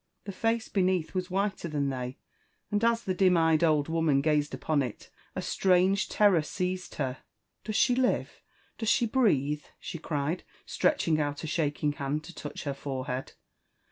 The face beneath was whiter than they ; and as the dim eyed old woman gazed upon it, a strange terror seized her. ''Does she livef—Kloes she Inreathef she cried, stretching out a shaking hand to tpueh her forehead.